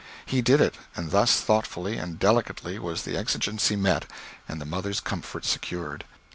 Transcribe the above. He did it and thus thoughtfully and delicately was the exigency met and the mother's comfort secured.